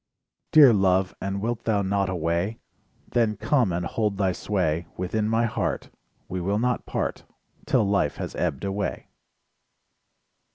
Dear Love, and wilt thou not away? Then come and hold thy .sway Within my heart, We will not part, 'Till life has ebbed away.